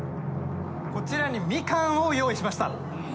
こちらにミカンを用意しました。